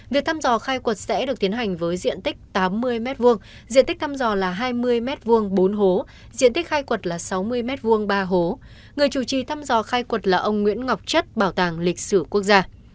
việc thăm dò khai quật sẽ được tiến hành với diện tích tám mươi m hai diện tích thăm dò là hai mươi m hai bốn hố diện tích khai quật là sáu mươi m hai ba hố người chủ trì thăm dò khai quật là ông nguyễn ngọc chất bảo tàng lịch sử quốc gia